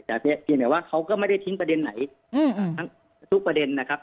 แต่เพียงแต่ว่าเขาก็ไม่ได้ทิ้งประเด็นไหนทุกประเด็นนะครับ